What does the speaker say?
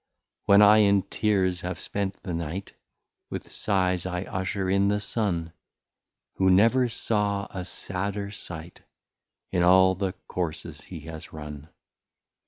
When I in Tears have spent the Night, With Sighs I usher in the Sun, Who never saw a sadder sight, In all the Courses he has run.